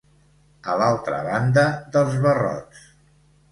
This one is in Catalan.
A l'altra banda dels barrots.